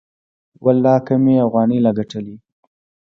ولله که مې اوغانۍ لا گټلې وي.